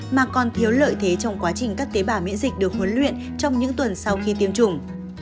mà còn thiếu lợi thế trong quá trình các tế bào miễn dịch được huấn luyện trong những tuần sau khi tiêm chủng